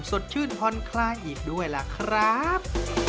เพื่อชื่นพ้นใครอีกด้วยล่ะครับ